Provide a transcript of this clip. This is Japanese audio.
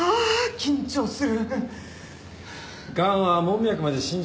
緊張する。